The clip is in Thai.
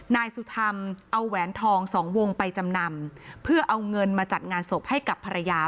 นายสุธรรมเอาแหวนทองสองวงไปจำนำเพื่อเอาเงินมาจัดงานศพให้กับภรรยา